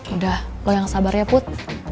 udah lo yang sabar ya put